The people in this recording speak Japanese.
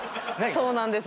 そうなんです。